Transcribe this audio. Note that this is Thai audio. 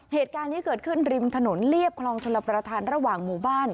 เหตุการณ์นี้เกิดขึ้นริมถนนเรียบคลองชลประธานระหว่างหมู่บ้าน